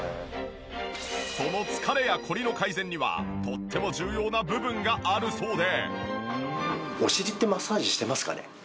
その疲れやコリの改善にはとっても重要な部分があるそうで。